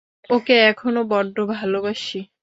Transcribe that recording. ওকে এখনও বড্ড ভালোবাসি!